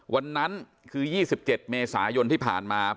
วันนั้นคือ๒๗เมษายนที่ผ่านมา